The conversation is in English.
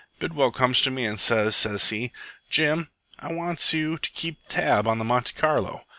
Bidwell comes to me an' sez, sez he, 'Jim, I wants you to keep tab on the Monte Carlo.